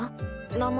名前。